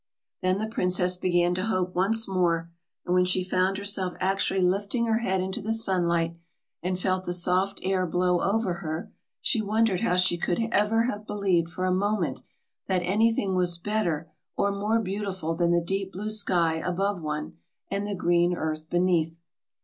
Then the princess began to hope once more; and when she found herself actually lifting her head into the sunlight, and felt the soft air blow over her, she wondered how she could ever have believed for a moment that anything was better or more beautiful than the deep blue sky above one, and the green earth beneath.